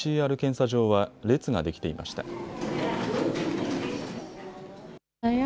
ＰＣＲ検査場は列ができていました。